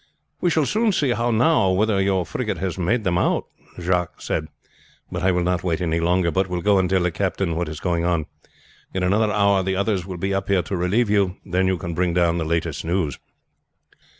"We shall soon see now whether your frigate has made them out," Jacques said; "but I will not wait any longer but will go and tell the captain what is going on. In another hour the others will be up here to relieve you, then you can bring down the latest news."